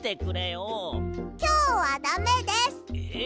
きょうはダメです。え！